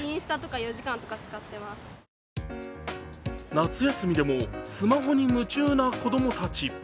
夏休みでもスマホに夢中な子供たち。